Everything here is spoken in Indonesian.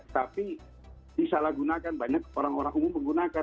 tapi disalahgunakan banyak orang orang umum menggunakan